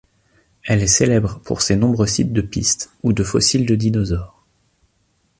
Elle est célèbre pour ses nombreux sites de pistes ou de fossiles de dinosaures.